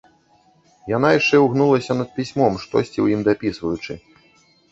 Яна яшчэ ўгнулася над пісьмом, штосьці ў ім дапісваючы.